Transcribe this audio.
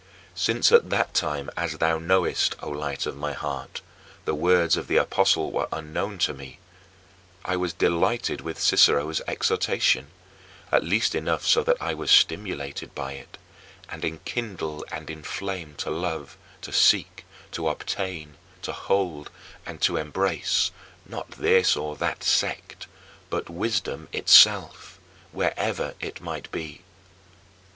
" Since at that time, as thou knowest, O Light of my heart, the words of the apostle were unknown to me, I was delighted with Cicero's exhortation, at least enough so that I was stimulated by it, and enkindled and inflamed to love, to seek, to obtain, to hold, and to embrace, not this or that sect, but wisdom itself, wherever it might be.